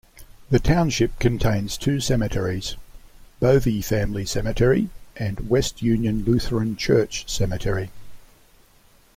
The township contains two cemeteries: Bovy Family Cemetery and West Union Lutheran Church Cemetery.